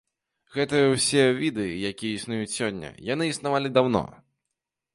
Гэтыя ўсе віды, якія існуюць сёння, яны існавалі даўно.